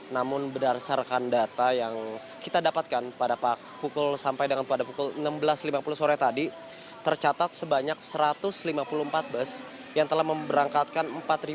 namun berdasarkan data yang kita dapatkan sampai dengan pada pukul enam belas lima puluh sore tadi tercatat sebanyak satu ratus lima puluh empat bus yang telah memberangkatkan